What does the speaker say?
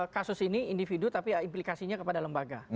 kasus ini individu tapi implikasinya kepada lembaga